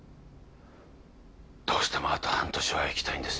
どうしてもあと半年は生きたいんです